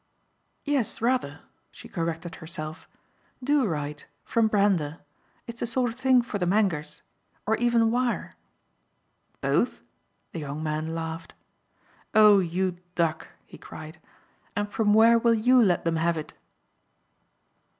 "Yes, rather" she corrected herself. "Do write from Brander. It's the sort of thing for the Mangers. Or even wire." "Both?" the young man laughed. "Oh you duck!" he cried. "And from where will YOU let them have it?"